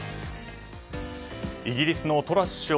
イギリスのトラス首相